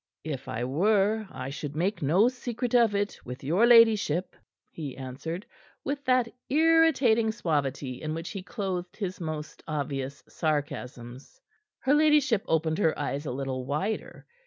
"If I were, I should make no secret of it with your ladyship," he answered with that irritating suavity in which he clothed his most obvious sarcasms. Her ladyship opened her eyes a little wider.